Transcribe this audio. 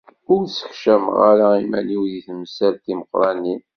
Ur ssekcameɣ ara iman-iw di temsal timeqqranin.